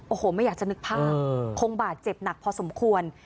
โอ้โหไม่อยากจะนึกภาพคงบาดเจ็บหนักพอสมควร